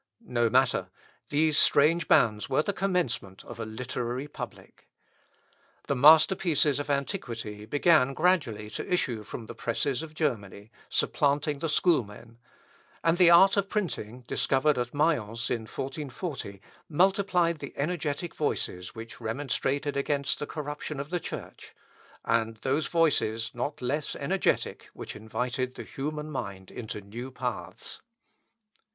No matter; these strange bands were the commencement of a literary public. The masterpieces of antiquity began gradually to issue from the presses of Germany, supplanting the schoolmen; and the art of printing, discovered at Mayence in 1440, multiplied the energetic voices which remonstrated against the corruption of the Church, and those voices, not less energetic, which invited the human mind into new paths.